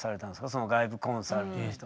その外部コンサルの人に。